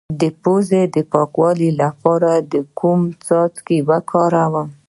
د پوزې د پاکوالي لپاره کوم څاڅکي وکاروم؟